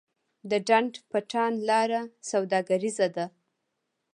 د ډنډ پټان لاره سوداګریزه ده